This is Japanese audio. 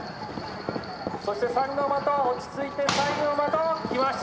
そして三ノ的は落ち着いて最後の的きました。